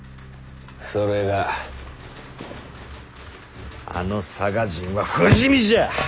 それがあの佐賀人は不死身じゃ！